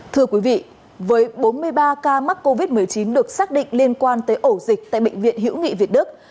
thưa quý vị với bốn mươi ba ca mắc covid một mươi chín được xác định liên quan tới ổ dịch tại bệnh viện